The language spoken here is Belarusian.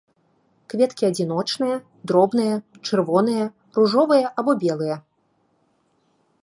Кветкі адзіночныя, дробныя, чырвоныя, ружовыя або белыя.